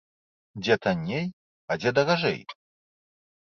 Дзе танней, а дзе даражэй?